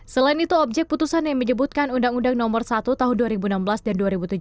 selain itu objek putusan yang menyebutkan undang undang nomor satu tahun dua ribu enam belas dan dua ribu tujuh belas